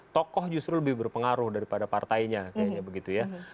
tokoh justru lebih berpengaruh daripada partainya kayaknya begitu ya